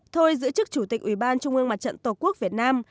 thôi giữ chức chủ tịch ủy ban trung ương mặt trận tổ quốc việt nam